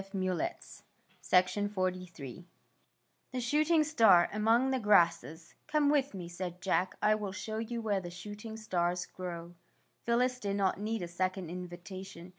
THE SHOOTING STAR THE SHOOTING STAR AMONG THE GRASSES '' Come with me," said Jack. " I will show you where the shooting stars grow.'' Phyllis did not need a second invitation.